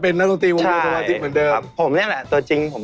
โชว์จากปริศนามหาสนุกหมายเลขหนึ่ง